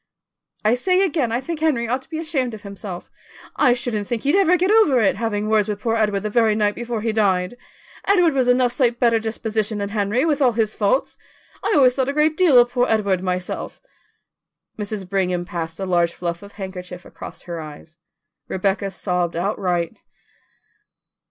"I say again I think Henry ought to be ashamed of himself. I shouldn't think he'd ever get over it, having words with poor Edward the very night before he died. Edward was enough sight better disposition than Henry, with all his faults. I always thought a great deal of poor Edward, myself." Mrs. Brigham passed a large fluff of handkerchief across her eyes; Rebecca sobbed outright.